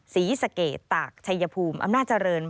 ศรีสะเกดตากชัยภูมิอำนาจเจริญ